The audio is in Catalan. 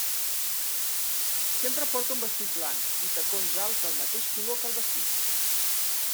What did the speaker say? Sempre porta un vestit blanc i tacons alts del mateix color que el vestit.